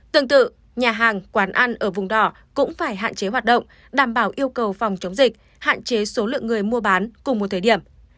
tương tự nhà hàng quán ăn ở vùng đỏ cũng phải hạn chế hoạt động đảm bảo yêu cầu phòng chống dịch hạn chế số lượng người mua bán cùng một thời điểm